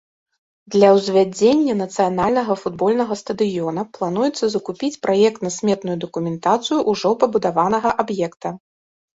Для ўзвядзення нацыянальнага футбольнага стадыёна плануецца закупіць праектна-сметную дакументацыю ўжо пабудаванага аб'екта.